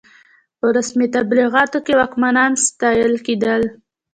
په رسمي تبلیغاتو کې واکمنان ستایل کېدل.